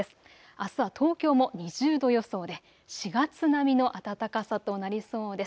あすは東京も２０度予想で４月並みの暖かさとなりそうです。